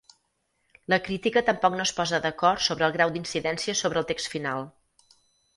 La crítica tampoc no es posa d'acord sobre el grau d'incidència sobre el text final.